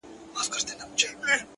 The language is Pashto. • خو د هري یوې بېل جواب لرمه ,